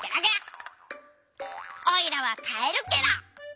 おいらはかえるケロ。